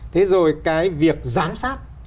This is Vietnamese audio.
thế rồi cái việc giám sát